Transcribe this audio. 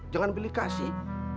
jangan beli kasih